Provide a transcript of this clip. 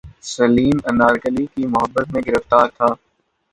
سلیم انارکلی کی محبت میں گرفتار تھا